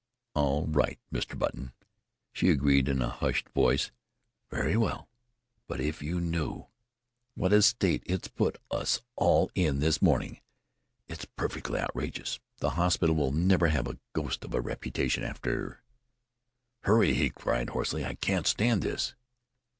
"All right, Mr. Button," she agreed in a hushed voice. "Very well! But if you knew what a state it's put us all in this morning! It's perfectly outrageous! The hospital will never have a ghost of a reputation after " "Hurry!" he cried hoarsely. "I can't stand this!"